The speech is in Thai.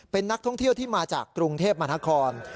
เป็นนักท่องเที่ยวที่มาจากกรุงเทพมหานคร